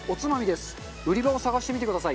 売り場を探してみてください。